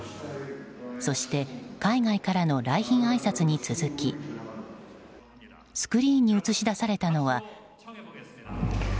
そして海外からの来賓あいさつに続きスクリーンに映し出されたのは。